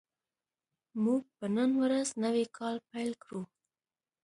موږ به نن ورځ نوی کار پیل کړو